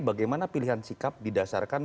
bagaimana pilihan sikap didasarkan